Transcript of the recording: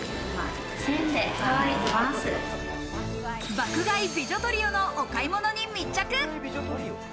爆買い美女トリオのお買い物に密着。